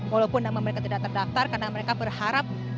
walaupun nama mereka tidak terdaftar karena mereka berharap